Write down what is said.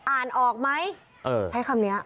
อ่านออกไหมใช้คำนี้